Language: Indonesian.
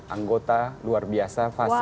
dapatkan anggota luar biasa fasi